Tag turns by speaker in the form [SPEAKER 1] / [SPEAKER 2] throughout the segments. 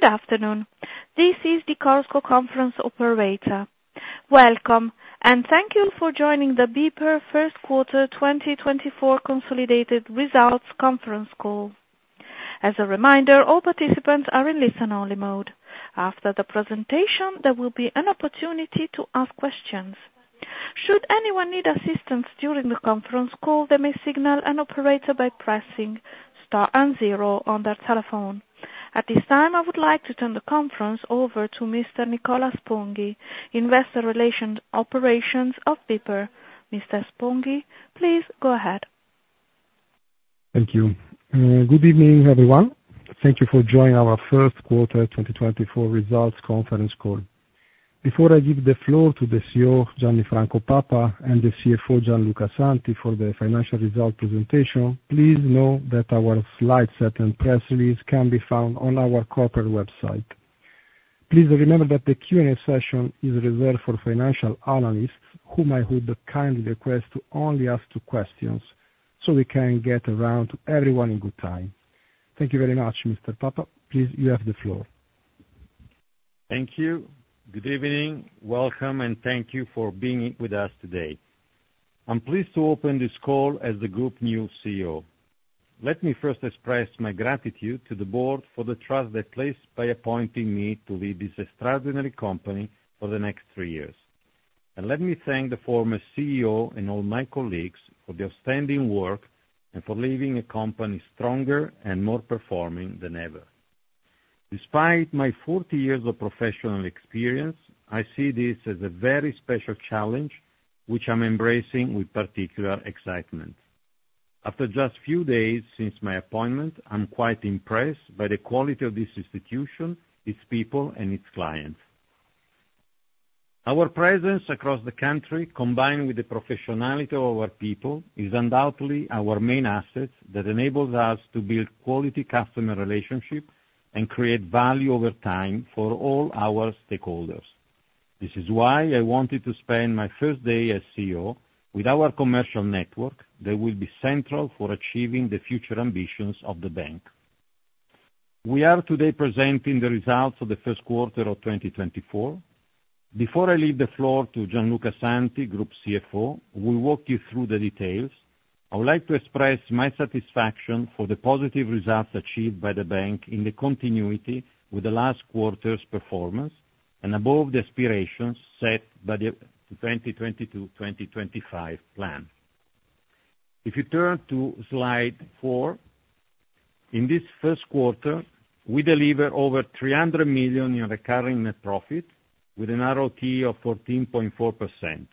[SPEAKER 1] Good afternoon. This is the Chorus Call Conference Operator. Welcome, and thank you for joining the BPER First Quarter 2024 Consolidated Results Conference Call. As a reminder, all participants are in listen-only mode. After the presentation, there will be an opportunity to ask questions. Should anyone need assistance during the conference call, they may signal an operator by pressing star and zero on their telephone. At this time, I would like to turn the conference over to Mr. Nicola Sponghi, Investor Relations Operations of BPER. Mr. Sponghi, please go ahead.
[SPEAKER 2] Thank you. Good evening, everyone. Thank you for joining our First Quarter 2024 Results Conference Call. Before I give the floor to the CEO, Gianni Franco Papa, and the CFO, Gian Luca Santi, for the financial result presentation, please know that our slide set and press release can be found on our corporate website. Please remember that the Q&A session is reserved for financial analysts, whom I would kindly request to only ask two questions so we can get around to everyone in good time. Thank you very much, Mr. Papa. Please, you have the floor.
[SPEAKER 3] Thank you. Good evening. Welcome, and thank you for being with us today. I'm pleased to open this call as the group new CEO. Let me first express my gratitude to the board for the trust they placed by appointing me to lead this extraordinary company for the next three years. Let me thank the former CEO and all my colleagues for their outstanding work and for leaving a company stronger and more performing than ever. Despite my 40 years of professional experience, I see this as a very special challenge, which I'm embracing with particular excitement. After just a few days since my appointment, I'm quite impressed by the quality of this institution, its people, and its clients. Our presence across the country, combined with the professionality of our people, is undoubtedly our main asset that enables us to build quality customer relationships and create value over time for all our stakeholders. This is why I wanted to spend my first day as CEO with our commercial network that will be central for achieving the future ambitions of the bank. We are today presenting the results of the First Quarter of 2024. Before I leave the floor to Gian Luca Santi, Group CFO, we'll walk you through the details. I would like to express my satisfaction for the positive results achieved by the bank in the continuity with the last quarter's performance and above the aspirations set by the 2022-2025 plan. If you turn to slide four, in this first quarter, we delivered over 300 million in recurring net profit with an ROTE of 14.4%.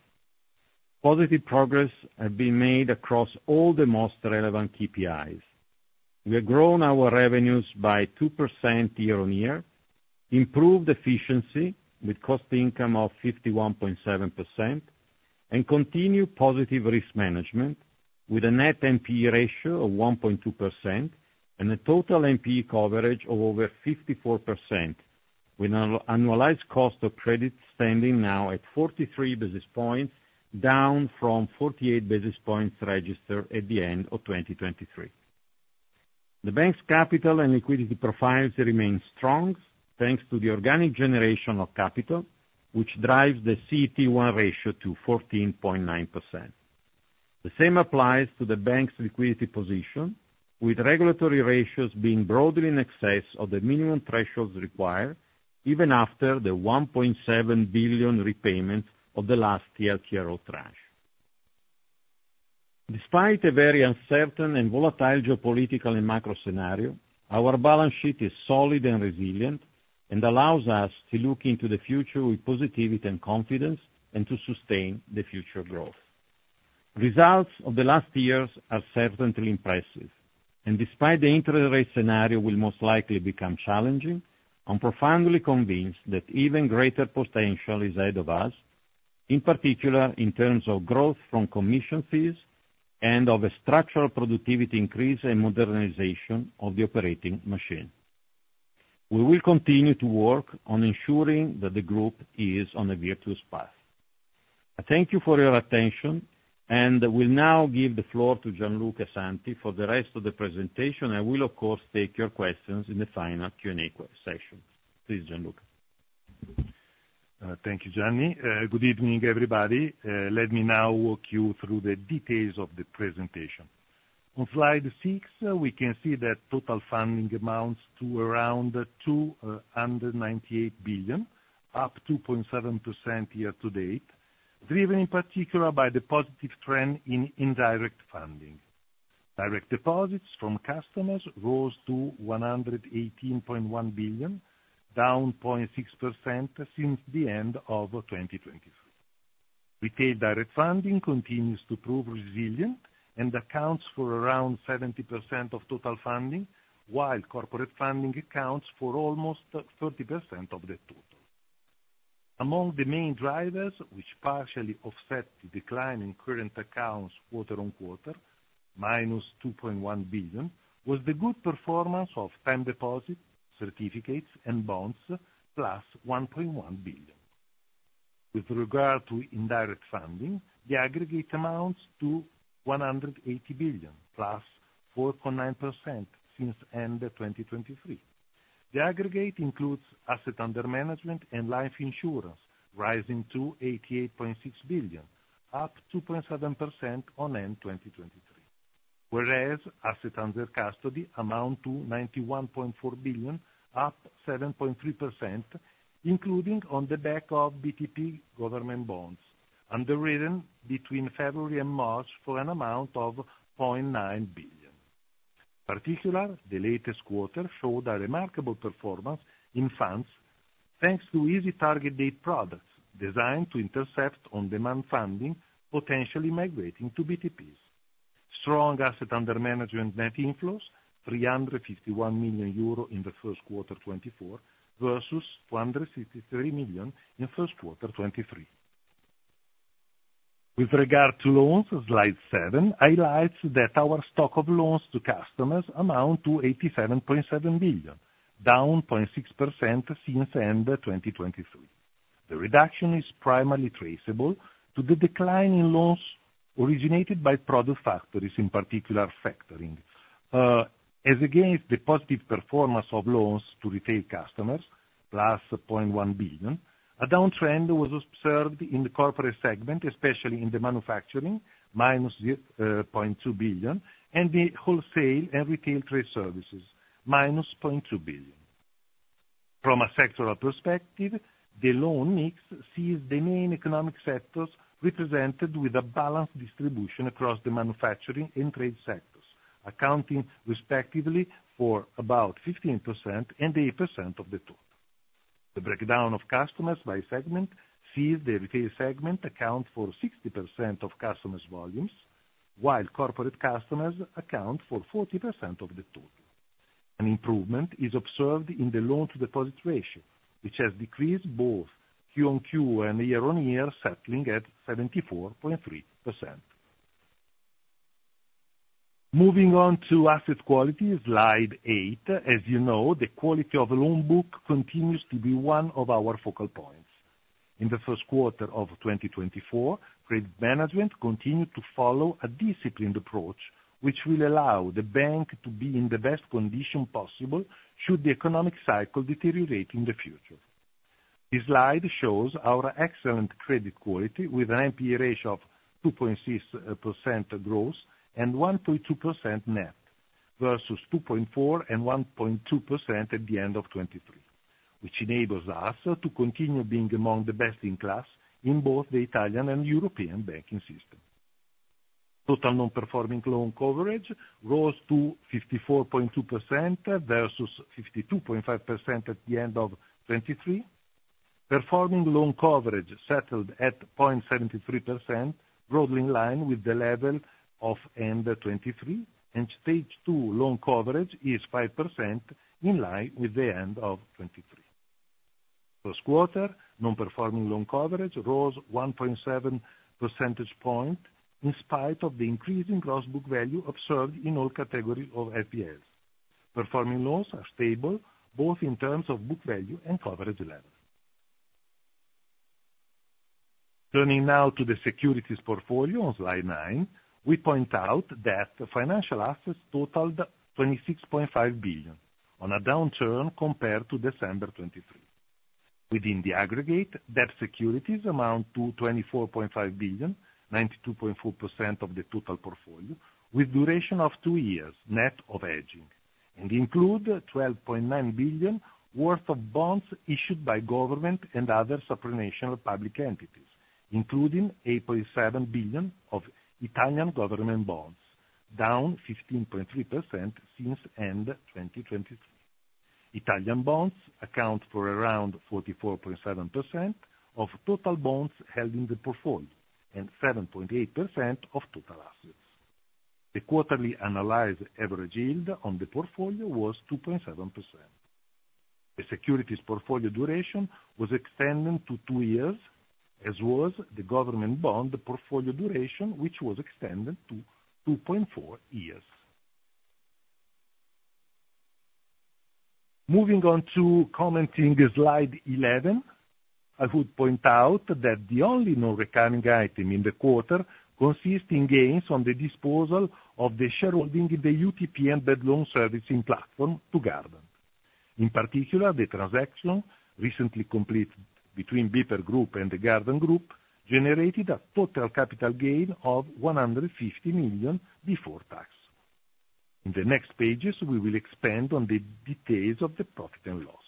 [SPEAKER 3] Positive progress has been made across all the most relevant KPIs. We have grown our revenues by 2% year-on-year, improved efficiency with cost income of 51.7%, and continued positive risk management with a net NPE ratio of 1.2% and a total NPE coverage of over 54%, with an annualized cost of credit standing now at 43 basis points, down from 48 basis points registered at the end of 2023. The bank's capital and liquidity profiles remain strong thanks to the organic generation of capital, which drives the CET1 ratio to 14.9%. The same applies to the bank's liquidity position, with regulatory ratios being broadly in excess of the minimum thresholds required, even after the 1.7 billion repayment of the last year's TLTRO tranche. Despite a very uncertain and volatile geopolitical and macro scenario, our balance sheet is solid and resilient and allows us to look into the future with positivity and confidence and to sustain the future growth. Results of the last years are certainly impressive, and despite the interest rate scenario will most likely become challenging, I'm profoundly convinced that even greater potential is ahead of us, in particular in terms of growth from commission fees and of a structural productivity increase and modernization of the operating machine. We will continue to work on ensuring that the group is on a virtuous path. Thank you for your attention, and we'll now give the floor to Gian Luca Santi for the rest of the presentation, and we'll, of course, take your questions in the final Q&A session. Please, Gian Luca.
[SPEAKER 4] Thank you, Gianni. Good evening, everybody. Let me now walk you through the details of the presentation. On slide six, we can see that total funding amounts to around 298 billion, up 2.7% year to date, driven in particular by the positive trend in indirect funding. Direct deposits from customers rose to 118.1 billion, down 0.6% since the end of 2023. Retail direct funding continues to prove resilient and accounts for around 70% of total funding, while corporate funding accounts for almost 30% of the total. Among the main drivers, which partially offset the decline in current accounts quarter-on-quarter, -2.1 billion, was the good performance of time deposits, certificates, and bonds, +1.1 billion. With regard to indirect funding, the aggregate amounts to 180 billion, +4.9% since end 2023. The aggregate includes asset under management and life insurance, rising to 88.6 billion, up 2.7% on end 2023, whereas asset under custody amounted to 91.4 billion, up 7.3%, including on the back of BTP government bonds, underwritten between February and March for an amount of 0.9 billion. In particular, the latest quarter showed a remarkable performance in funds thanks to ESG target date products designed to intercept on-demand funding potentially migrating to BTPs, strong asset under management net inflows, 351 million euro in the First Quarter 2024 versus 263 million in First Quarter 2023. With regard to loans, slide seven highlights that our stock of loans to customers amounted to 87.7 billion, down 0.6% since end 2023. The reduction is primarily traceable to the decline in loans originated by product factories, in particular factoring, as against the positive performance of loans to retail customers, +0.1 billion. A downtrend was observed in the corporate segment, especially in the manufacturing, -0.2 billion, and the wholesale and retail trade services, -0.2 billion. From a sectoral perspective, the loan mix sees the main economic sectors represented with a balanced distribution across the manufacturing and trade sectors, accounting respectively for about 15% and 8% of the total. The breakdown of customers by segment sees the retail segment account for 60% of customers' volumes, while corporate customers account for 40% of the total. An improvement is observed in the loan-to-deposit ratio, which has decreased both QoQ and year on year, settling at 74.3%. Moving on to asset quality, slide eight. As you know, the quality of the loan book continues to be one of our focal points. In the first quarter of 2024, credit management continued to follow a disciplined approach, which will allow the bank to be in the best condition possible should the economic cycle deteriorate in the future. This slide shows our excellent credit quality with an NPE ratio of 2.6% gross and 1.2% net versus 2.4% and 1.2% at the end of 2023, which enables us to continue being among the best in class in both the Italian and European banking system. Total non-performing loan coverage rose to 54.2% versus 52.5% at the end of 2023. Performing loan coverage settled at 0.73%, broadly in line with the level of end 2023, and stage two loan coverage is 5% in line with the end of 2023. First quarter, non-performing loan coverage rose 1.7 percentage points in spite of the increasing gross book value observed in all categories of NPLs. Performing loans are stable both in terms of book value and coverage level. Turning now to the securities portfolio on slide nine, we point out that financial assets totaled 26.5 billion on a downturn compared to December 2023. Within the aggregate, debt securities amount to 24.5 billion, 92.4% of the total portfolio, with duration of two years, net of hedging, and include 12.9 billion worth of bonds issued by government and other supranational public entities, including 8.7 billion of Italian government bonds, down 15.3% since end 2023. Italian bonds account for around 44.7% of total bonds held in the portfolio and 7.8% of total assets. The quarterly analyzed average yield on the portfolio was 2.7%. The securities portfolio duration was extended to two years, as was the government bond portfolio duration, which was extended to 2.4 years. Moving on to commenting slide 11, I would point out that the only non-recurring item in the quarter consists in gains on the disposal of the shareholding in the UTP and bad loan servicing platform to Gardant. In particular, the transaction recently completed between BPER Group and the Gardant Group generated a total capital gain of 150 million before tax. In the next pages, we will expand on the details of the profit and loss.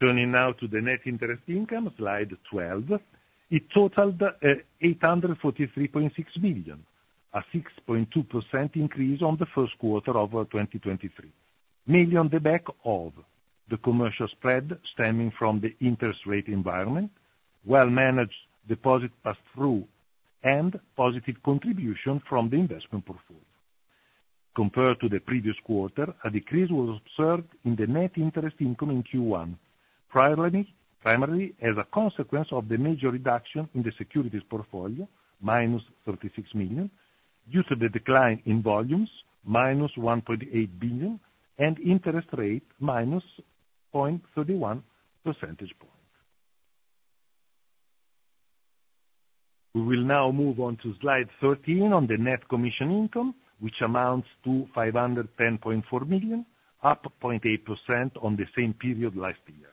[SPEAKER 4] Turning now to the net interest income, slide 12, it totaled 843.6 million, a 6.2% increase on the First Quarter of 2023, mainly on the back of the commercial spread stemming from the interest rate environment, well-managed deposit pass-through, and positive contribution from the investment portfolio. Compared to the previous quarter, a decrease was observed in the net interest income in Q1, primarily as a consequence of the major reduction in the securities portfolio, -36 million, due to the decline in volumes, -1.8 billion, and interest rate -0.31 percentage points. We will now move on to slide 13 on the net commission income, which amounts to 510.4 million, +0.8% on the same period last year.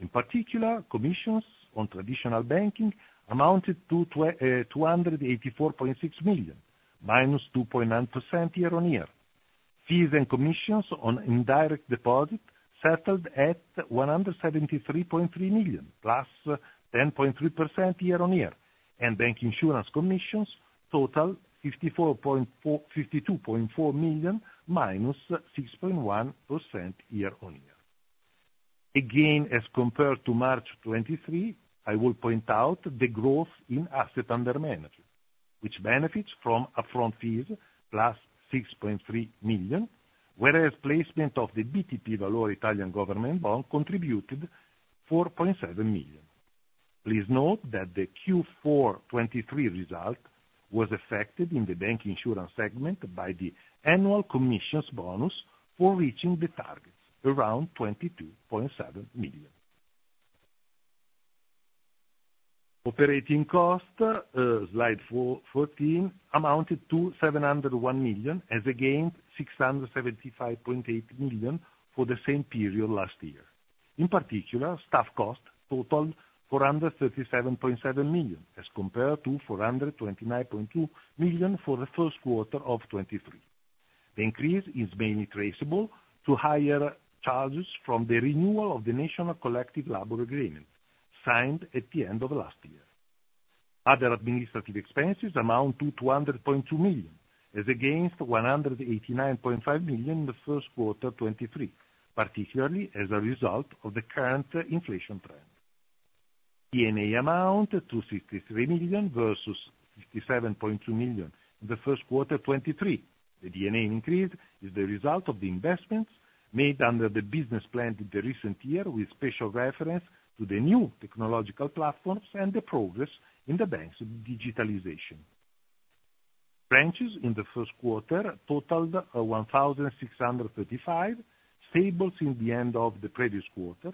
[SPEAKER 4] In particular, commissions on traditional banking amounted to 284.6 million, -2.9% year-on-year. Fees and commissions on indirect deposit settled at EUR 173.3 million, +10.3% year-on-year, and bank insurance commissions, total 52.4 million, -6.1% year-on-year. Again, as compared to March 2023, I will point out the growth in assets under management, which benefits from upfront fees, +6.3 million, whereas placement of the BTP Valore Italian government bond contributed 4.7 million. Please note that the Q4 2023 result was affected in the bancassurance segment by the annual commissions bonus for reaching the targets, around 22.7 million. Operating costs, slide 14, amounted to 701 million as against 675.8 million for the same period last year. In particular, staff costs totaled 437.7 million as compared to 429.2 million for the first quarter of 2023. The increase is mainly traceable to higher charges from the renewal of the National Collective Labor Agreement signed at the end of last year. Other administrative expenses amount to 200.2 million as against 189.5 million in the first quarter 2023, particularly as a result of the current inflation trend. D&A amounted to 63 million versus 67.2 million in the First Quarter 2023. The D&A increase is the result of the investments made under the business plan in the recent year with special reference to the new technological platforms and the progress in the bank's digitalization. Branches in the First Quarter totaled 1,635, stable since the end of the previous quarter,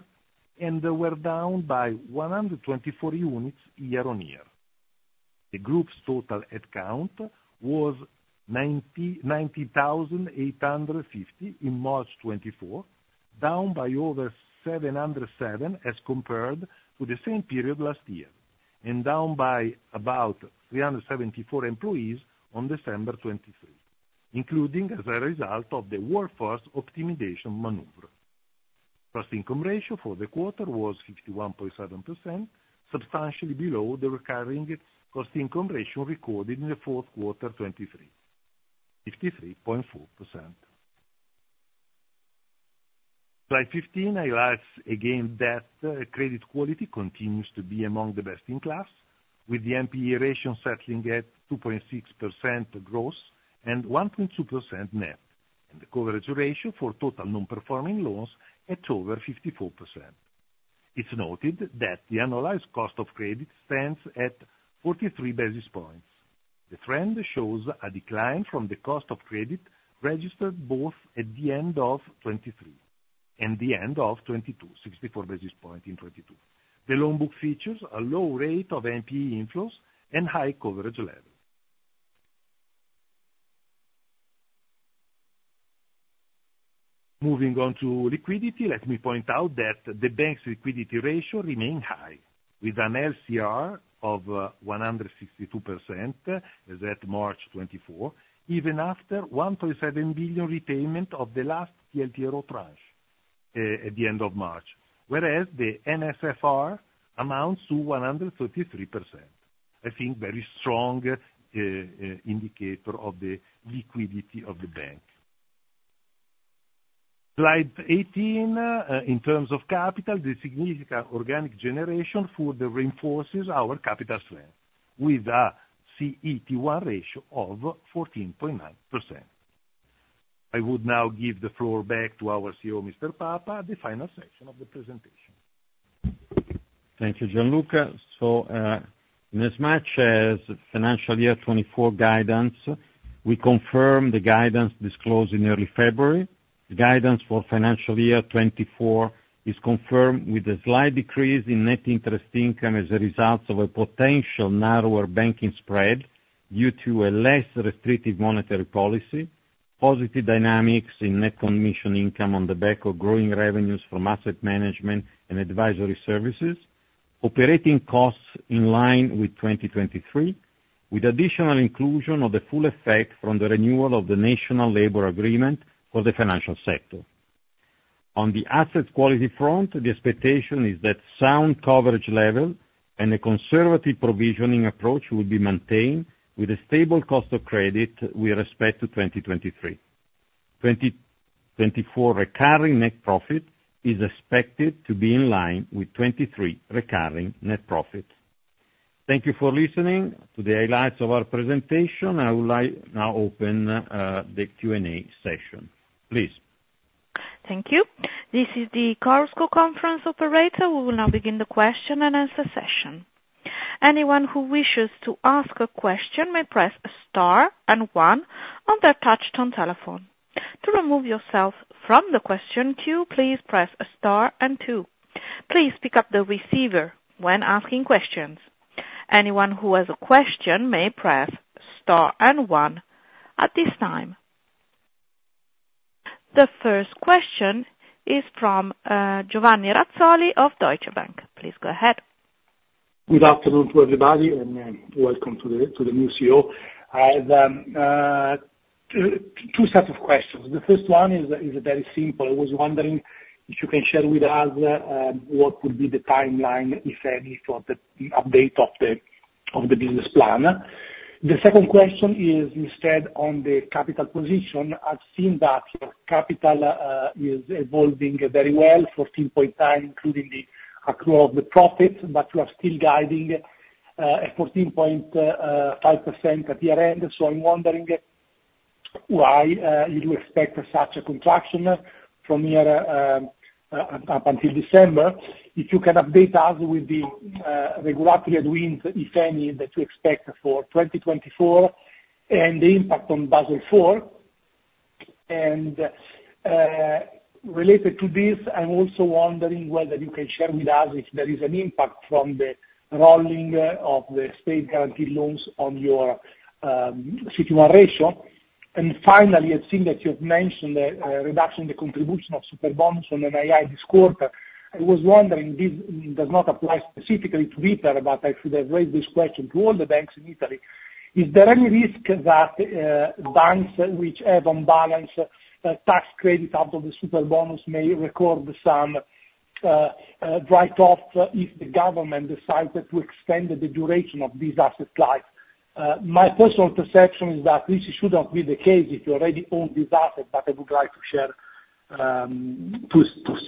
[SPEAKER 4] and were down by 124 units year-on-year. The group's total headcount was 90,850 in March 2024, down by over 707 as compared to the same period last year, and down by about 374 employees on December 2023, including as a result of the workforce optimization maneuver. Cost/income ratio for the quarter was 51.7%, substantially below the recurring cost/income ratio recorded in the Fourth Quarter 2023, 53.4%. Slide 15 highlights again that credit quality continues to be among the best in class, with the NPE ratio settling at 2.6% gross and 1.2% net, and the coverage ratio for total non-performing loans at over 54%. It's noted that the analyzed cost of credit stands at 43 basis points. The trend shows a decline from the cost of credit registered both at the end of 2023 and the end of 2022, 64 basis points in 2022. The loan book features a low rate of NPE inflows and high coverage levels. Moving on to liquidity, let me point out that the bank's liquidity ratio remained high, with an LCR of 162% as at March 2024, even after 1.7 billion repayment of the last TLTRO tranche at the end of March, whereas the NSFR amounts to 133%, I think a very strong indicator of the liquidity of the bank. Slide 18, in terms of capital, the significant organic generation further reinforces our capital strength with a CET1 ratio of 14.9%. I would now give the floor back to our CEO, Mr. Papa, the final section of the presentation.
[SPEAKER 3] Thank you, Gian Luca. So, in as much as financial year 2024 guidance, we confirm the guidance disclosed in early February. The guidance for financial year 2024 is confirmed with a slight decrease in net interest income as a result of a potential narrower banking spread due to a less restrictive monetary policy, positive dynamics in net commission income on the back of growing revenues from asset management and advisory services, operating costs in line with 2023, with additional inclusion of the full effect from the renewal of the National Labor Agreement for the financial sector. On the asset quality front, the expectation is that sound coverage level and a conservative provisioning approach will be maintained with a stable cost of credit with respect to 2023. 2024 recurring net profit is expected to be in line with 2023 recurring net profit. Thank you for listening to the highlights of our presentation. I would like now to open the Q&A session. Please.
[SPEAKER 1] Thank you. This is the conference operator. We will now begin the question and answer session. Anyone who wishes to ask a question may press star and one on their touchscreen telephone. To remove yourself from the question queue, please press star and two. Please pick up the receiver when asking questions. Anyone who has a question may press star and one at this time. The first question is from Giovanni Razzoli of Deutsche Bank. Please go ahead.
[SPEAKER 5] Good afternoon to everybody and welcome to the new CEO. I have two sets of questions. The first one is very simple. I was wondering if you can share with us what would be the timeline, if any, for the update of the business plan. The second question is instead on the capital position. I've seen that your capital is evolving very well, 14.9%, including the accrual of the profits, but you are still guiding a 14.5% at year-end. So I'm wondering why you do expect such a contraction from here up until December. If you can update us with the regulatory advance, if any, that you expect for 2024 and the impact on Basel IV. And related to this, I'm also wondering whether you can share with us if there is an impact from the rolling of the state guaranteed loans on your CET1 ratio. And finally, I've seen that you have mentioned a reduction in the contribution of Superbonus on NII this quarter. I was wondering, this does not apply specifically to BPER, but I should have raised this question to all the banks in Italy. Is there any risk that banks which have on balance tax credit out of the Superbonus may record some write-off if the government decides to extend the duration of this asset life? My personal perception is that this should not be the case if you already own this asset, but I would like to hear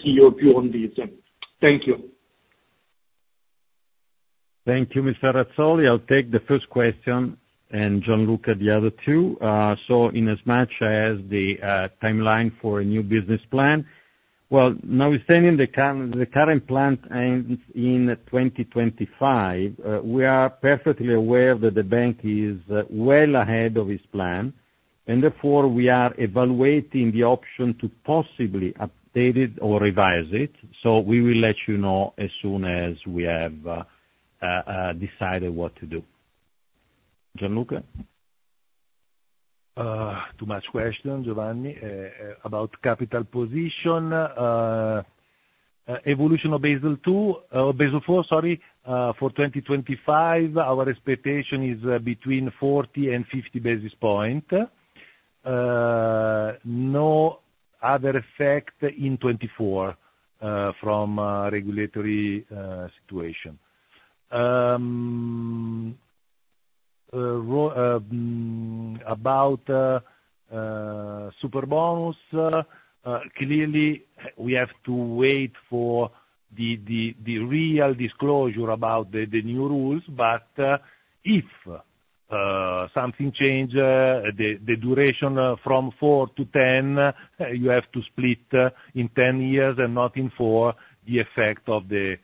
[SPEAKER 5] your view on this. Thank you.
[SPEAKER 3] Thank you, Mr. Razzoli. I'll take the first question and Gian Luca the other two. So, in as much as the timeline for a new business plan, well, now, we're at the end, the current plan ends in 2025. We are perfectly aware that the bank is well ahead of its plan, and therefore, we are evaluating the option to possibly update it or revise it. So we will let you know as soon as we have decided what to do. Gianluca?
[SPEAKER 4] Too much questions, Giovanni. About capital position, evolution of Basel II or Basel IV, sorry, for 2025, our expectation is between 40 and 50 basis points. No other effect in 2024 from regulatory situation. About Superbonus, clearly, we have to wait for the real disclosure about the new rules. But if something changes, the duration from four to 10, you have to split in 10 years and not in four, the effect of the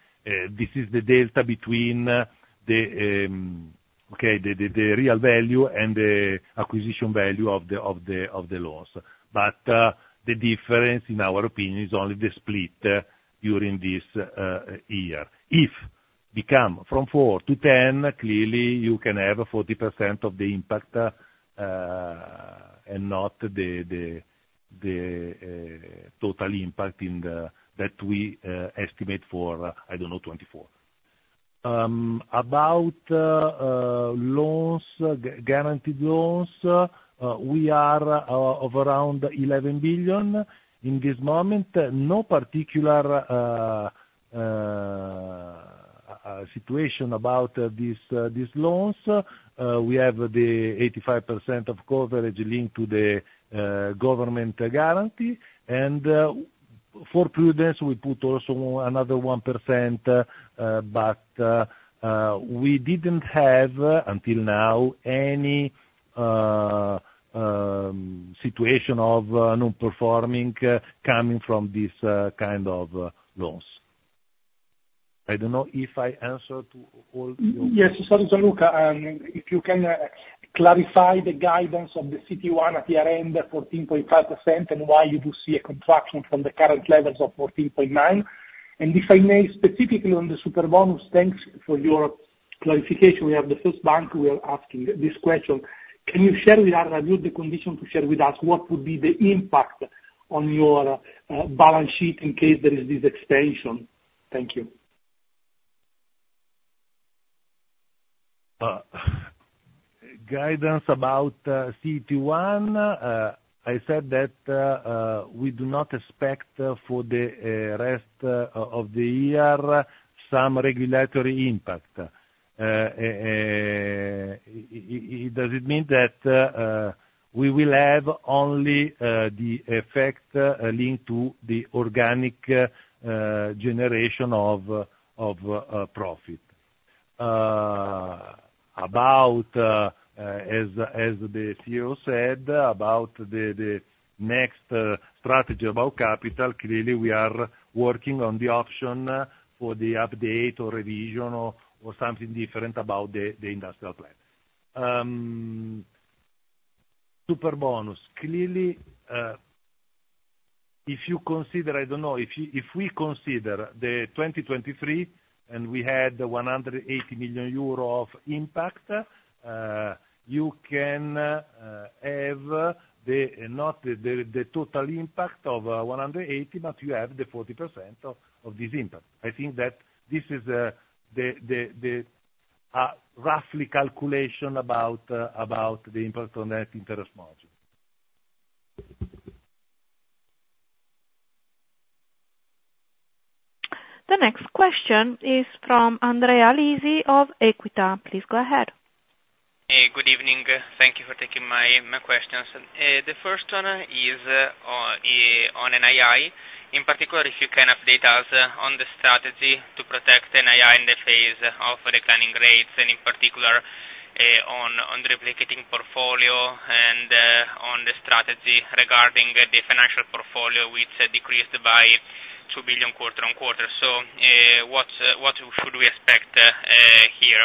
[SPEAKER 4] this is the delta between the, okay, the real value and the acquisition value of the loans. But the difference, in our opinion, is only the split during this year. If it becomes from four to 10, clearly, you can have 40% of the impact and not the total impact that we estimate for, I don't know, 2024. About loans, guaranteed loans, we are of around 11 billion in this moment. No particular situation about these loans. We have the 85% of coverage linked to the government guarantee. And for prudence, we put also another 1%, but we didn't have, until now, any situation of non-performing coming from this kind of loans. I don't know if I answered all your questions.
[SPEAKER 5] Yes. Sorry, Gian Luca. If you can clarify the guidance of the CET1 at year-end, 14.5%, and why you do see a contraction from the current levels of 14.9%. And if I may, specifically on the Superbonus, thanks for your clarification. We are the first bank we are asking this question. Can you share with us, review the condition to share with us what would be the impact on your balance sheet in case there is this extension? Thank you.
[SPEAKER 4] Guidance about CET1, I said that we do not expect for the rest of the year some regulatory impact. Does it mean that we will have only the effect linked to the organic generation of profit? As the CEO said, about the next strategy about capital, clearly, we are working on the option for the update or revision or something different about the industrial plan. Superbonus, clearly, if you consider I don't know. If we consider 2023 and we had the 180 million euro of impact, you can have not the total impact of 180 million, but you have the 40% of this impact. I think that this is a roughly calculation about the impact on net interest margin.
[SPEAKER 1] The next question is from Andrea Lisi of Equita. Please go ahead.
[SPEAKER 6] Good evening. Thank you for taking my questions. The first one is on NII, in particular, if you can update us on the strategy to protect NII in the phase of declining rates and, in particular, on the replicating portfolio and on the strategy regarding the financial portfolio, which decreased by 2 billion quarter-over-quarter. So what should we expect here?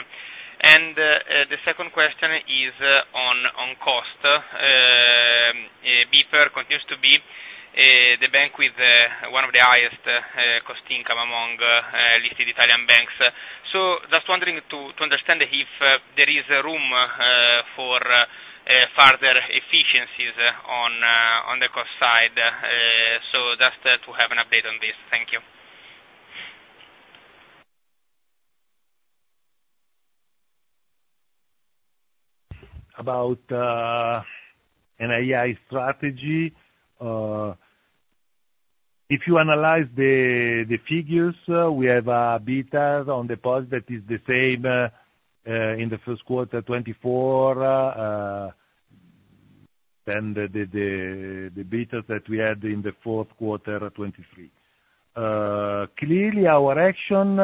[SPEAKER 6] And the second question is on cost. BPER continues to be the bank with one of the highest cost income among listed Italian banks. So just wondering to understand if there is room for further efficiencies on the cost side. So just to have an update on this. Thank you.
[SPEAKER 4] About NII strategy, if you analyze the figures, we have a beta on deposit that is the same in the first quarter 2024, and the beta that we had in the fourth quarter 2023. Clearly, our action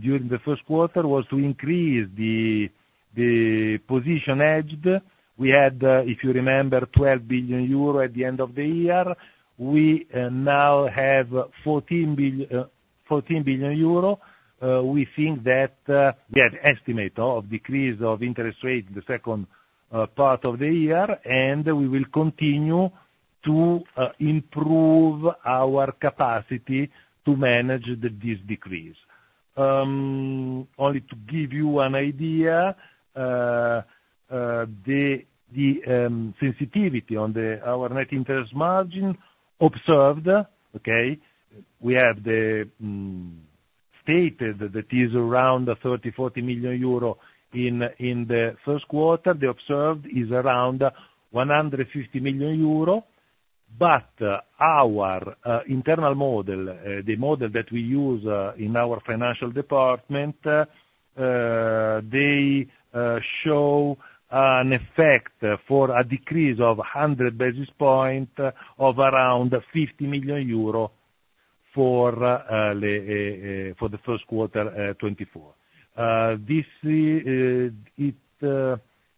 [SPEAKER 4] during the first quarter was to increase the position hedged. We had, if you remember, 12 billion euro at the end of the year. We now have 14 billion euro. We think that we had an estimate of decrease of interest rate in the second part of the year, and we will continue to improve our capacity to manage this decrease. Only to give you an idea, the sensitivity on our net interest margin observed, okay? We have stated that it is around 30 million-40 million euro in the first quarter. The observed is around 150 million euro. But our internal model, the model that we use in our financial department, they show an effect for a decrease of 100 basis points of around 50 million euro for the first quarter 2024.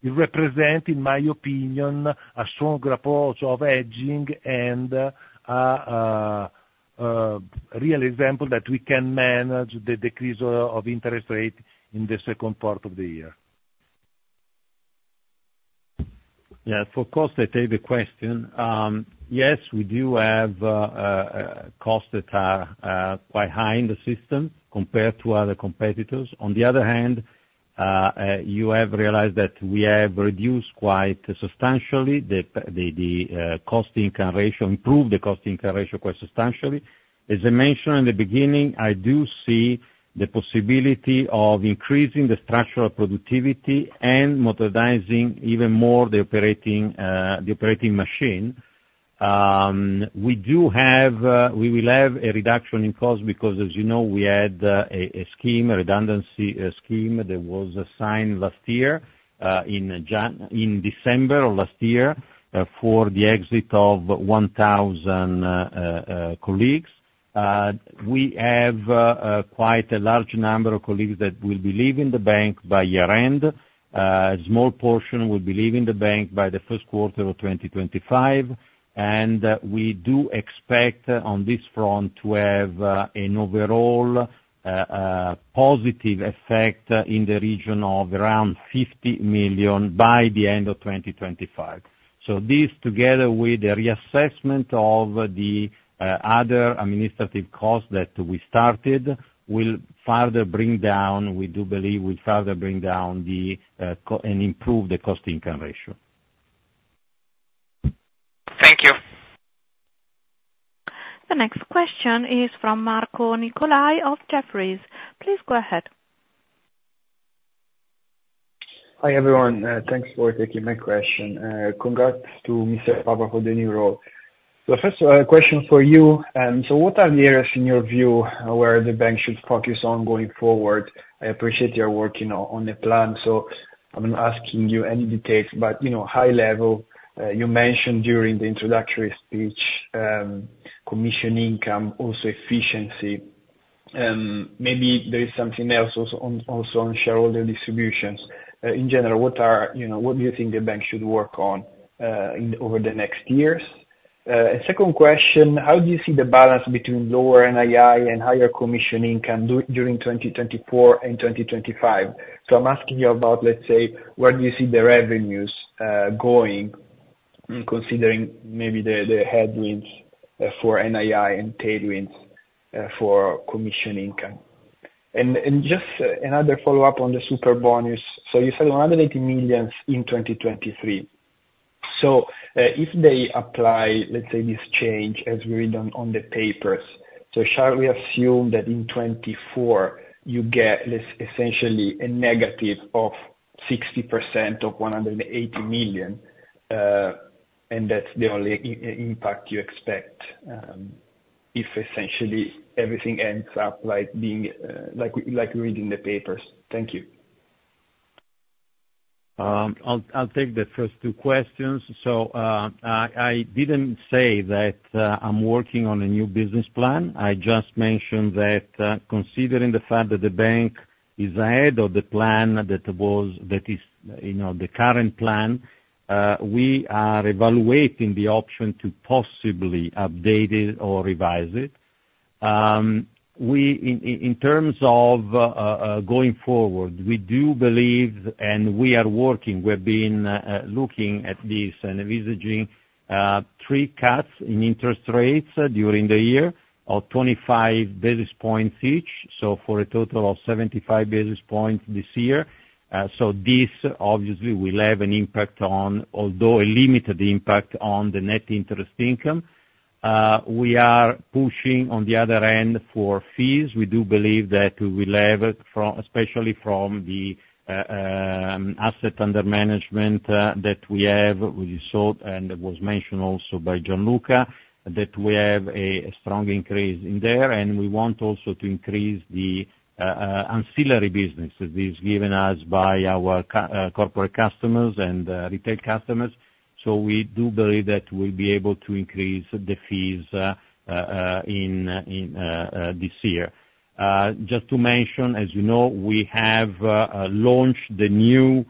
[SPEAKER 4] It represents, in my opinion, a stronger approach of hedging and a real example that we can manage the decrease of interest rate in the second part of the year.
[SPEAKER 3] Yeah. For cost, I take the question. Yes, we do have costs that are quite high in the system compared to other competitors. On the other hand, you have realized that we have reduced quite substantially the cost income ratio, improved the cost income ratio quite substantially. As I mentioned in the beginning, I do see the possibility of increasing the structural productivity and modernizing even more the operating machine. We will have a reduction in cost because, as you know, we had a scheme, a redundancy scheme that was signed last year in December of last year for the exit of 1,000 colleagues. We have quite a large number of colleagues that will be leaving the bank by year-end. A small portion will be leaving the bank by the first quarter of 2025. And we do expect on this front to have an overall positive effect in the region of around 50 million by the end of 2025. So this, together with the reassessment of the other administrative costs that we started, will further bring down we do believe will further bring down and improve the cost income ratio.
[SPEAKER 6] Thank you.
[SPEAKER 1] The next question is from Marco Nicolai of Jefferies. Please go ahead.
[SPEAKER 7] Hi, everyone. Thanks for taking my question. Congrats to Mr. Papa for the new role. So first question for you. So what are the areas, in your view, where the bank should focus on going forward? I appreciate you are working on a plan. So I'm not asking you any details, but high level, you mentioned during the introductory speech commission income, also efficiency. Maybe there is something else also on shareholder distributions. In general, what do you think the bank should work on over the next years? And second question, how do you see the balance between lower NII and higher commission income during 2024 and 2025? So I'm asking you about, let's say, where do you see the revenues going considering maybe the headwinds for NII and tailwinds for commission income? And just another follow-up on the Superbonus. So you said 180 million in 2023. So if they apply, let's say, this change as we read on the papers, so shall we assume that in 2024, you get essentially a -60% of 180 million, and that's the only impact you expect if essentially everything ends up being like we read in the papers? Thank you.
[SPEAKER 3] I'll take the first two questions. So I didn't say that I'm working on a new business plan. I just mentioned that considering the fact that the bank is ahead of the plan that was that is the current plan, we are evaluating the option to possibly update it or revise it. In terms of going forward, we do believe and we are working. We have been looking at this and envisaging three cuts in interest rates during the year of 25 basis points each, so for a total of 75 basis points this year. So this, obviously, will have an impact, although a limited impact, on the net interest income. We are pushing, on the other hand, for fees. We do believe that we will have, especially from the asset under management that we have, which is so and was mentioned also by Gian Luca, that we have a strong increase in there. And we want also to increase the ancillary businesses that is given us by our corporate customers and retail customers. So we do believe that we'll be able to increase the fees in this year. Just to mention, as you know, we have launched the new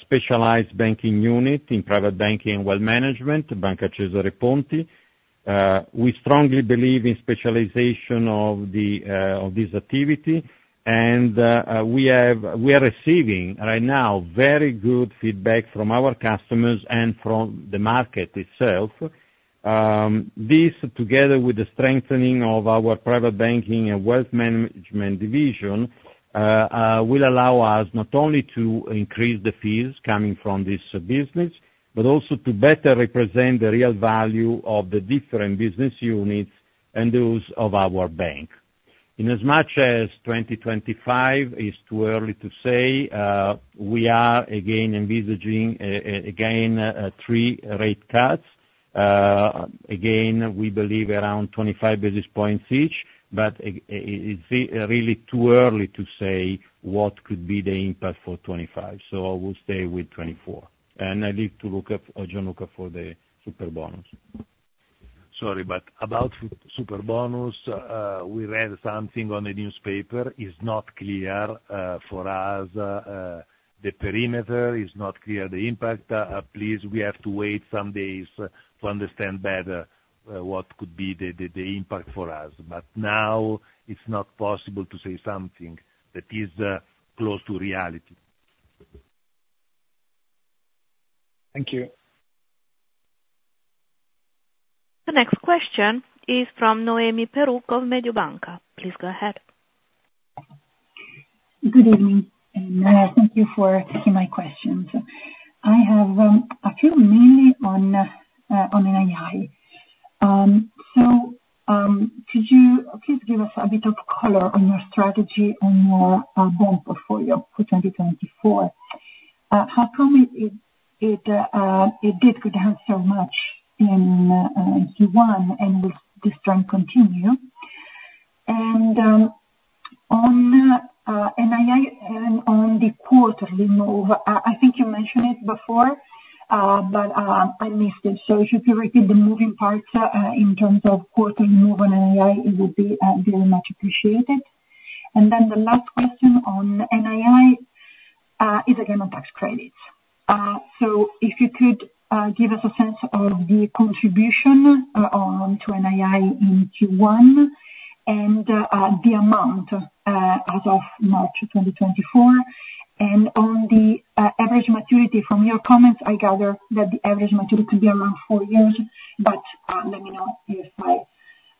[SPEAKER 3] specialized banking unit in private banking and wealth management, Banca Cesare Ponti. We strongly believe in specialization of this activity. And we are receiving right now very good feedback from our customers and from the market itself. This, together with the strengthening of our private banking and wealth management division, will allow us not only to increase the fees coming from this business but also to better represent the real value of the different business units and those of our bank. In as much as 2025 is too early to say, we are again envisaging three rate cuts. Again, we believe around 25 basis points each, but it's really too early to say what could be the impact for 2025. So I will stay with 2024. And I leave to Gian Luca for the Superbonus.
[SPEAKER 4] Sorry, but about Superbonus, we read something on the newspaper. It's not clear for us. The perimeter is not clear, the impact. Please, we have to wait some days to understand better what could be the impact for us. But now, it's not possible to say something that is close to reality.
[SPEAKER 7] Thank you.
[SPEAKER 1] The next question is from Noemi Peruch of Mediobanca. Please go ahead.
[SPEAKER 8] Good evening. And thank you for taking my questions. I have a few mainly on NII. So could you please give us a bit of color on your strategy on your bond portfolio for 2024? How come it did go down so much in Q1, and will this trend continue? And on the quarterly move, I think you mentioned it before, but I missed it. So if you could repeat the moving parts in terms of quarterly move on NII, it would be very much appreciated. And then the last question on NII is again on tax credits. So if you could give us a sense of the contribution to NII in Q1 and the amount as of March 2024. On the average maturity from your comments, I gather that the average maturity could be around four years, but let me know if my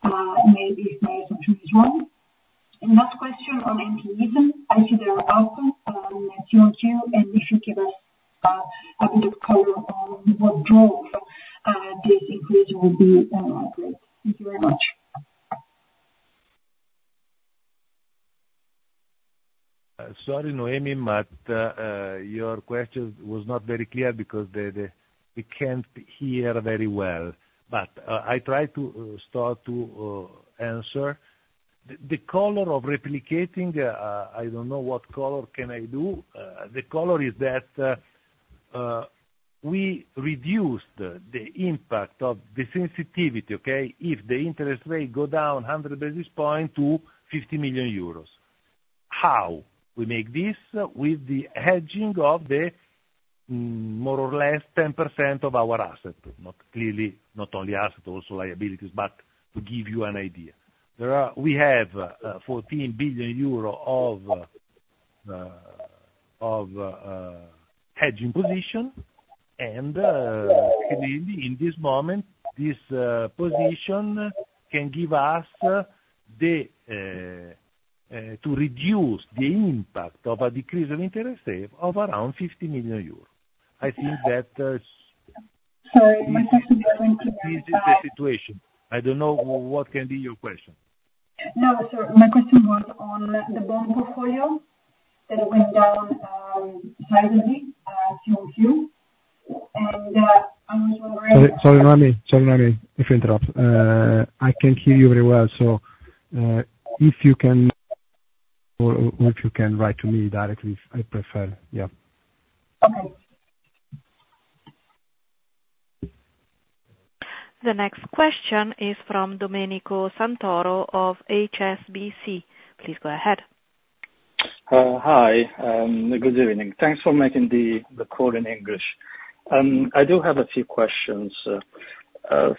[SPEAKER 8] assumption is wrong. Last question on employees. I see they are up in Q2. If you give us a bit of color on what drove this increase, it would be great. Thank you very much.
[SPEAKER 4] Sorry, Noemi, but your question was not very clear because we can't hear very well. But I tried to start to answer. The color of replicating I don't know what color can I do. The color is that we reduced the impact of the sensitivity, okay? If the interest rate go down 100 basis points to 50 million euros. How we make this? With the hedging of the more or less 10% of our asset, not clearly not only asset, also liabilities, but to give you an idea. We have 14 billion euro of hedging position. And clearly, in this moment, this position can give us the to reduce the impact of a decrease of interest rate of around 50 million euros. I think that's
[SPEAKER 8] Sorry. My question was going to
[SPEAKER 4] This is the situation. I don't know what can be your question. No, sir. My question was on the bond portfolio that went down slightly at Q2. And I was wondering
[SPEAKER 3] orry, Noemi. Sorry, Noemi, if I interrupt. I can't hear you very well. So if you can or if you can write to me directly, I prefer. Yeah.
[SPEAKER 8] Okay.
[SPEAKER 1] The next question is from Domenico Santoro of HSBC. Please go ahead.
[SPEAKER 9] Hi. Good evening. Thanks for making the call in English. I do have a few questions.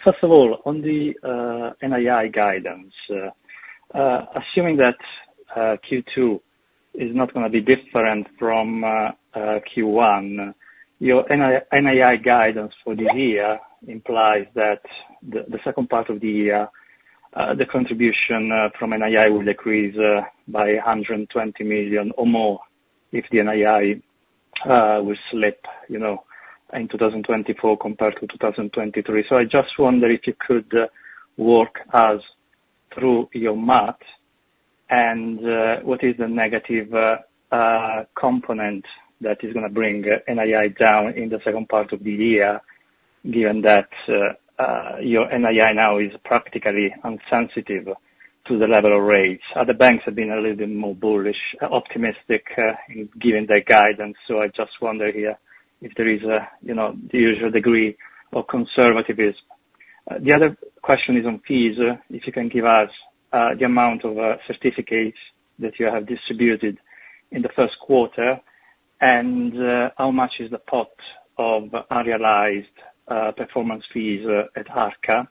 [SPEAKER 9] First of all, on the NII guidance, assuming that Q2 is not going to be different from Q1, your NII guidance for this year implies that the second part of the year, the contribution from NII will decrease by 120 million or more if the NII will slip in 2024 compared to 2023. So I just wonder if you could work us through your math. And what is the negative component that is going to bring NII down in the second part of the year, given that your NII now is practically insensitive to the level of rates? Other banks have been a little bit more bullish, optimistic in giving their guidance. So I just wonder here if there is the usual degree of conservatism. The other question is on fees, if you can give us the amount of certificates that you have distributed in the first quarter and how much is the pot of unrealized performance fees at ARCA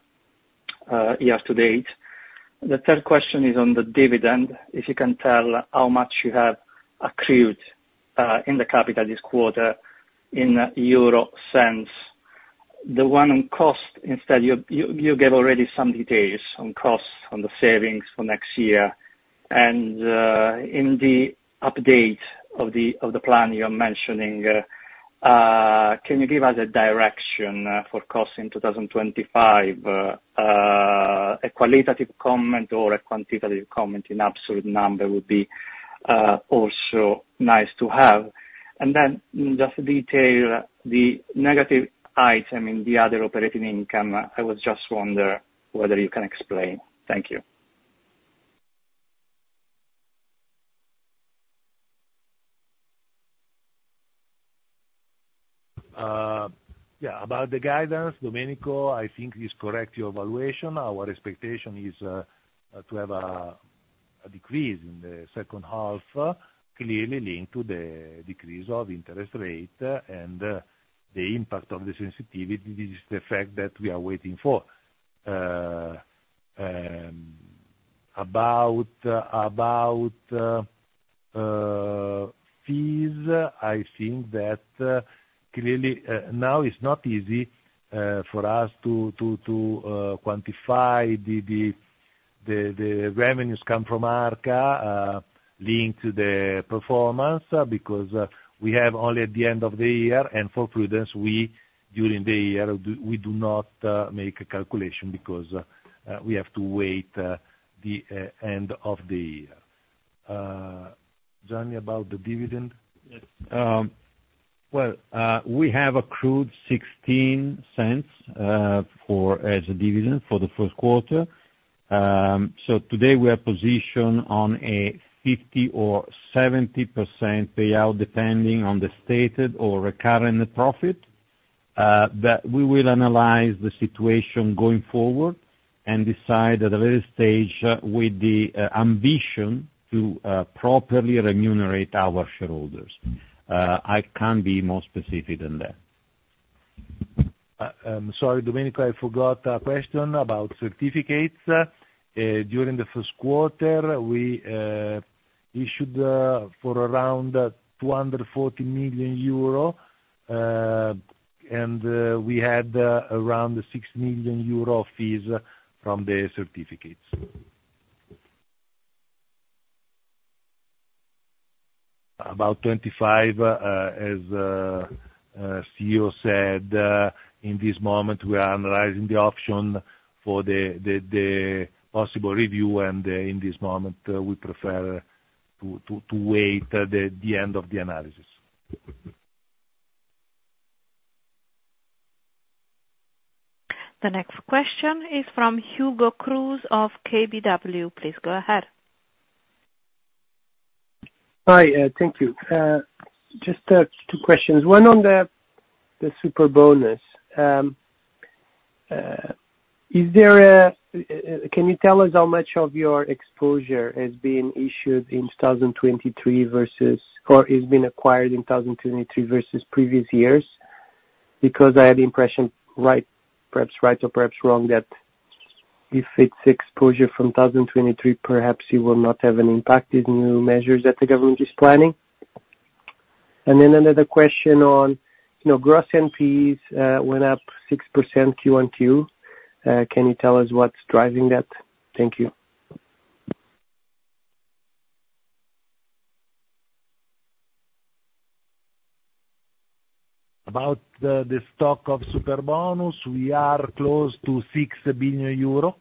[SPEAKER 9] year to date. The third question is on the dividend, if you can tell how much you have accrued in the capital this quarter in euro cents. The one on cost, instead, you gave already some details on costs, on the savings for next year. And in the update of the plan you are mentioning, can you give us a direction for costs in 2025? A qualitative comment or a quantitative comment in absolute number would be also nice to have. And then just detail the negative item in the other operating income. I was just wondering whether you can explain. Thank you.
[SPEAKER 3] Yeah. About the guidance, Domenico, I think you correct your evaluation. Our expectation is to have a decrease in the second half, clearly linked to the decrease of interest rate and the impact of the sensitivity. This is the effect that we are waiting for. About fees, I think that clearly now, it's not easy for us to quantify the revenues come from ARCA linked to the performance because we have only at the end of the year. And for prudence, during the year, we do not make a calculation because we have to wait the end of the year. Johnny, about the dividend?
[SPEAKER 4] Yes. Well, we have accrued 0.0016 as a dividend for the first quarter. So today, we are positioned on a 50%-70% payout depending on the stated or recurrent profit. But we will analyze the situation going forward and decide at a later stage with the ambition to properly remunerate our shareholders. I can't be more specific than that. Sorry, Domenico. I forgot a question about certificates. During the first quarter, we issued for around 240 million euro. We had around 6 million euro fees from the certificates. About 25, as CEO said. In this moment, we are analyzing the option for the possible review. In this moment, we prefer to wait the end of the analysis.
[SPEAKER 1] The next question is from Hugo Cruz of KBW. Please go ahead.
[SPEAKER 10] Hi. Thank you. Just two questions. One on the Superbonus. Can you tell us how much of your exposure has been issued in 2023 versus or has been acquired in 2023 versus previous years? Because I had the impression, perhaps right or perhaps wrong, that if it's exposure from 2023, perhaps it will not have an impact these new measures that the government is planning. And then another question on gross NPs went up 6% Q1Q. Can you tell us what's driving that? Thank you.
[SPEAKER 3] About the stock of Superbonus, we are close to 6 billion euro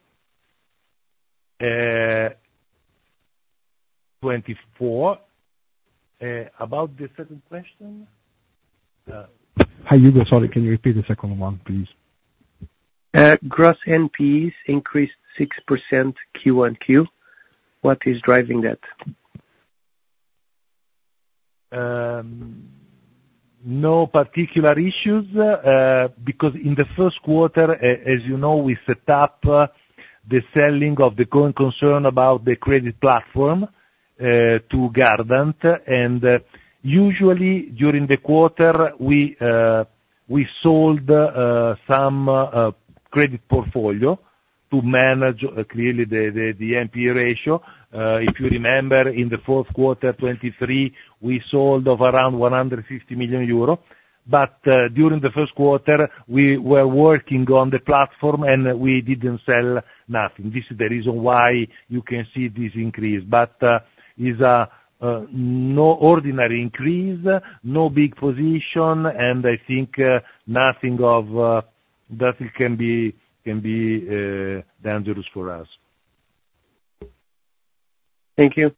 [SPEAKER 3] 2024. About the second question Hi, Hugo. Sorry. Can you repeat the second one, please?
[SPEAKER 10] Gross NPs increased 6% Q1Q. What is driving that?
[SPEAKER 3] No particular issues because in the first quarter, as you know, we set up the selling of the going concern about the credit platform to Gardant. And usually, during the quarter, we sold some credit portfolio to manage clearly the NP ratio. If you remember, in the fourth quarter, 2023, we sold of around 150 million euro. But during the first quarter, we were working on the platform, and we didn't sell nothing. This is the reason why you can see this increase. But it's no ordinary increase, no big position. I think nothing of that can be dangerous for us.
[SPEAKER 10] Thank you.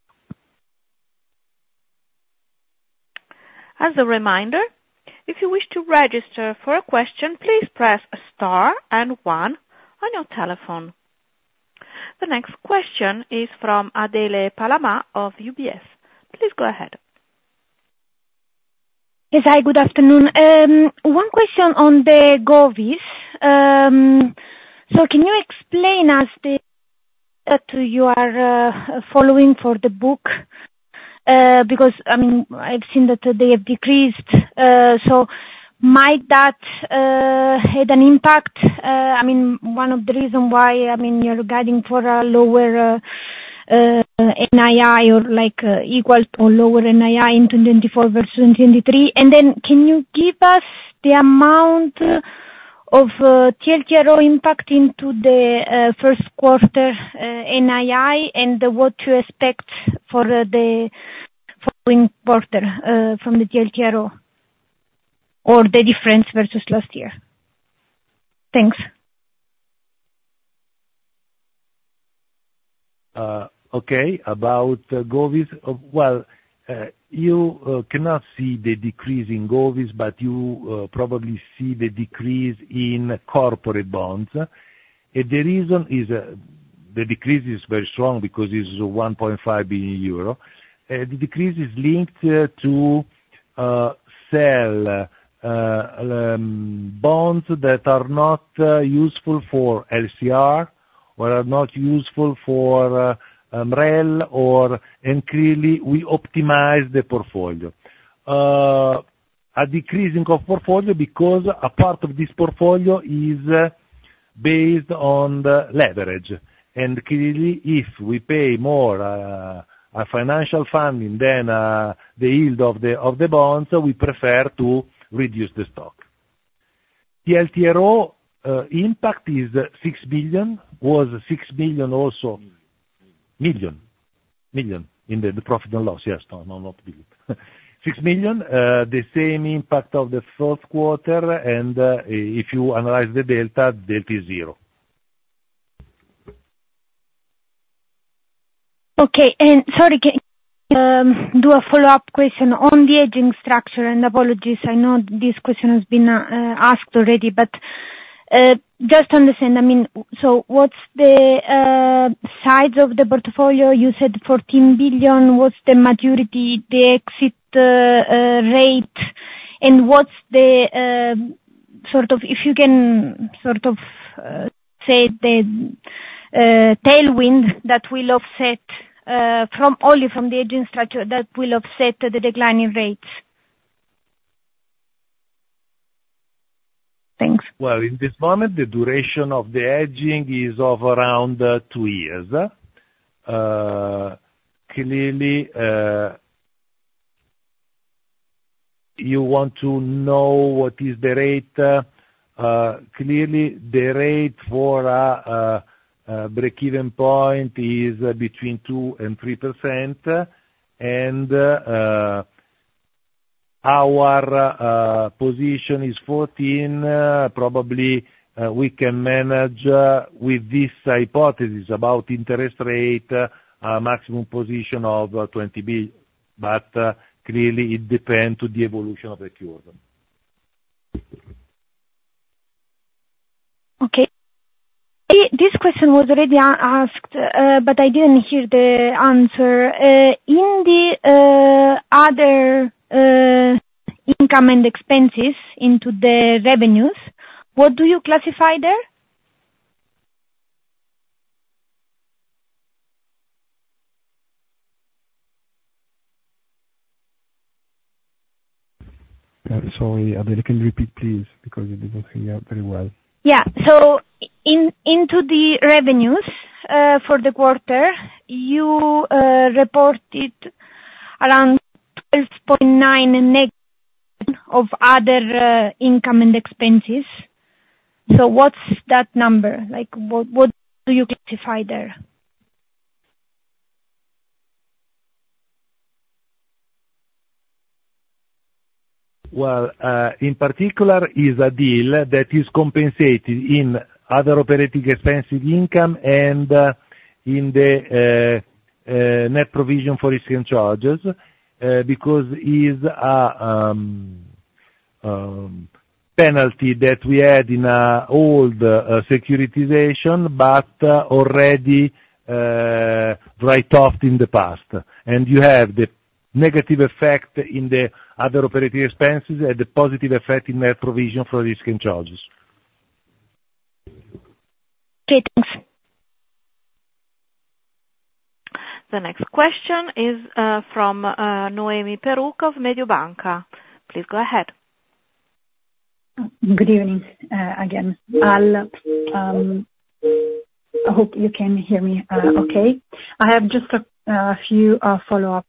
[SPEAKER 1] As a reminder, if you wish to register for a question, please press star and one on your telephone. The next question is from Adele Palama of UBS. Please go ahead.
[SPEAKER 11] Yes, hi. Good afternoon. One question on the Govies. So can you explain us the data that you are following for the book? Because, I mean, I've seen that they have decreased. So might that have an impact? I mean, one of the reasons why, I mean, you're guiding for a lower NII or equal to lower NII in 2024 versus 2023. And then can you give us the amount of TLTRO impact into the first quarter NII and what you expect for the following quarter from the TLTRO or the difference versus last year? Thanks.
[SPEAKER 4] Okay. About Govies, well, you cannot see the decrease in Govies, but you probably see the decrease in corporate bonds. The reason is the decrease is very strong because it's 1.5 billion euro. The decrease is linked to sell bonds that are not useful for LCR or are not useful for MREL. Clearly, we optimize the portfolio. A decreasing of portfolio because a part of this portfolio is based on leverage. Clearly, if we pay more financial funding than the yield of the bonds, we prefer to reduce the stock. TLTRO impact is 6 billion. Was 6 million also? Million. Million. Million in the profit and loss. Yes. No, not billion. 6 million, the same impact of the fourth quarter. If you analyze the delta, delta is zero. Okay. Sorry. Do a follow-up question on the hedging structure.
[SPEAKER 11] Apologies. I know this question has been asked already. But just to understand, I mean, so what's the size of the portfolio? You said 14 billion. What's the maturity, the exit rate? And what's the sort of if you can sort of say the tailwind that will offset from only from the hedging structure that will offset the declining rates? Thanks.
[SPEAKER 4] Well, in this moment, the duration of the hedging is of around two years. Clearly, you want to know what is the rate. Clearly, the rate for a break-even point is between 2% and 3%. And our position is 14 billion. Probably, we can manage with this hypothesis about interest rate, maximum position of 20 billion. But clearly, it depends on the evolution of the curve.
[SPEAKER 11] Okay. This question was already asked, but I didn't hear the answer. In the other income and expenses in the revenues, what do you classify there?
[SPEAKER 4] Sorry, Adele, can you repeat, please? Because you did not hear very well.
[SPEAKER 11] Yeah. So in the revenues for the quarter, you reported around -12.9 of other income and expenses. So what's that number? What do you classify there?
[SPEAKER 4] Well, in particular, it's a deal that is compensated in other operating expenses and income and in the net provision for risk and charges because it's a penalty that we had in old securitization but already write-offed in the past. And you have the negative effect in the other operating expenses and the positive effect in net provision for risk and charges.
[SPEAKER 11] Okay. Thanks.
[SPEAKER 1] The next question is from Noemi Peruch of Mediobanca. Please go ahead.
[SPEAKER 8] Good evening again. I hope you can hear me okay. I have just a few follow-up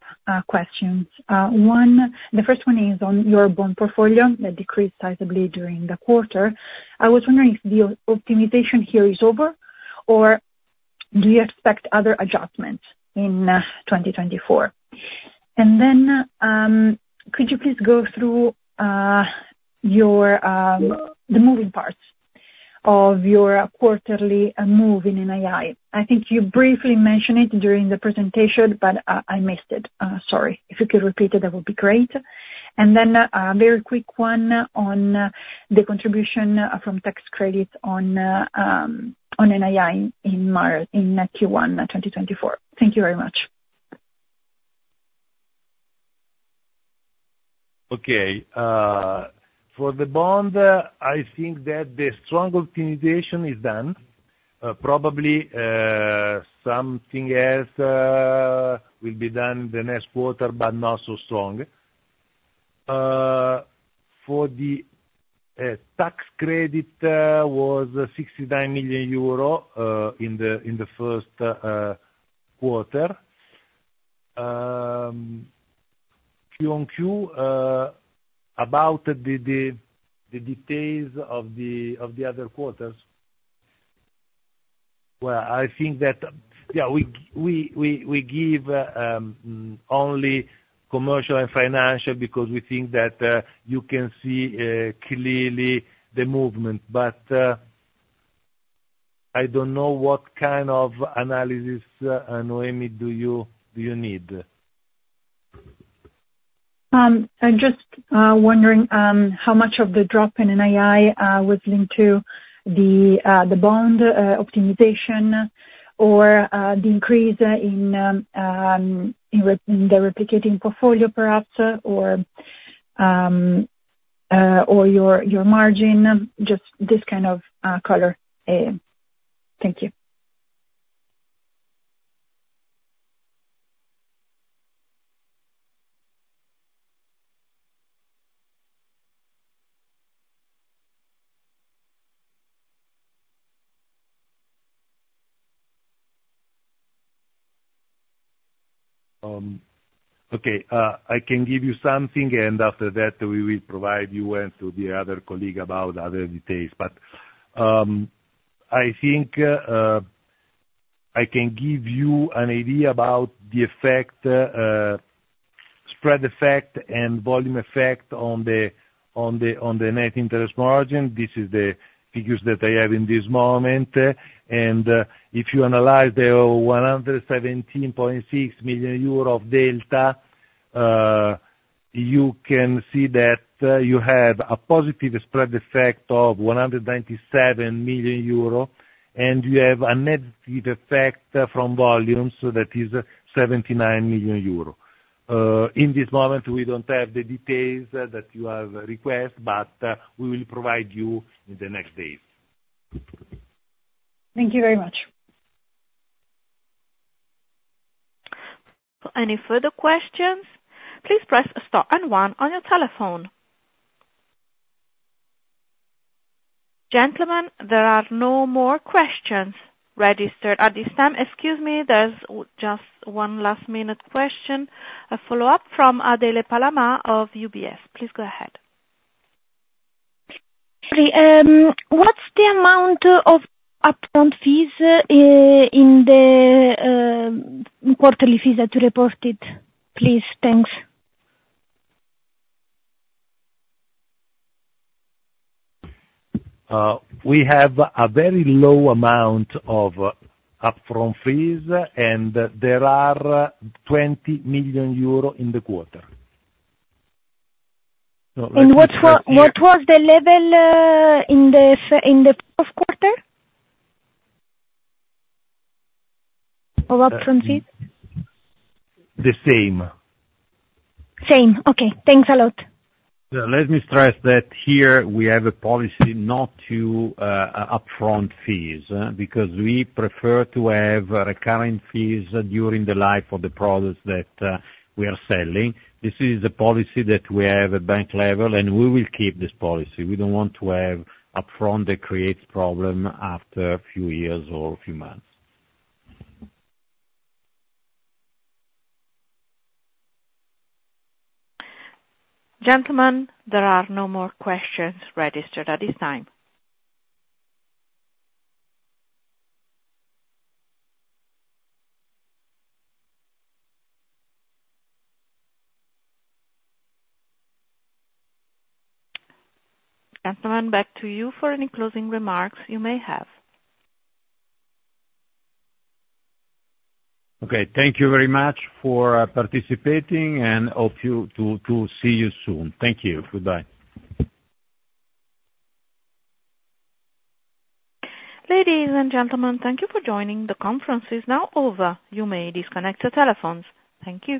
[SPEAKER 8] questions. The first one is on your bond portfolio that decreased sizably during the quarter. I was wondering if the optimization here is over, or do you expect other adjustments in 2024? And then could you please go through the moving parts of your quarterly move in NII? I think you briefly mentioned it during the presentation, but I missed it. Sorry. If you could repeat it, that would be great. And then a very quick one on the contribution from tax credits on NII in Q1 2024. Thank you very much.
[SPEAKER 4] Okay. For the bond, I think that the strong optimization is done. Probably, something else will be done in the next quarter but not so strong. For the tax credit, it was 69 million euro in the first quarter. Q1-Q2, about the details of the other quarters? Well, I think that, yeah, we give only commercial and financial because we think that you can see clearly the movement. But I don't know what kind of analysis, Noemi, do you need?
[SPEAKER 8] I'm just wondering how much of the drop in NII was linked to the bond optimization or the increase in the replicating portfolio, perhaps, or your margin, just this kind of color. Thank you.
[SPEAKER 4] Okay. I can give you something. And after that, we will provide you and to the other colleague about other details. But I think I can give you an idea about the spread effect and volume effect on the net interest margin. This is the figures that I have in this moment. And if you analyze the 117.6 million euro of delta, you can see that you have a positive spread effect of 197 million euro. You have a negative effect from volumes that is 79 million euro. In this moment, we don't have the details that you have requested, but we will provide you in the next days.
[SPEAKER 8] Thank you very much.
[SPEAKER 1] For any further questions, please press star and one on your telephone. Gentlemen, there are no more questions registered at this time. Excuse me. There's just one last-minute question, a follow-up from Adele Palama of UBS. Please go ahead.
[SPEAKER 11] Sorry. What's the amount of upfront fees in the quarterly fees that you reported, please? Thanks.
[SPEAKER 4] We have a very low amount of upfront fees, and there are 20 million euro in the quarter. And what was the level in the fourth quarter of upfront fees? The same.
[SPEAKER 11] Same. Okay. Thanks a lot.
[SPEAKER 3] Let me stress that here, we have a policy not to upfront fees because we prefer to have recurring fees during the life of the products that we are selling. This is a policy that we have at bank level, and we will keep this policy. We don't want to have upfront that creates problems after a few years or a few months.
[SPEAKER 1] Gentlemen, there are no more questions registered at this time. Gentlemen, back to you for any closing remarks you may have.
[SPEAKER 3] Okay. Thank you very much for participating, and hope to see you soon. Thank you. Goodbye.
[SPEAKER 1] Ladies and gentlemen, thank you for joining. The conference is now over. You may disconnect your telephones. Thank you.